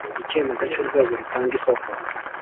Icyemezo cy urwego rutanga isoko